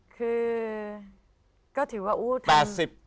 คือก็ถือว่าอู๊ด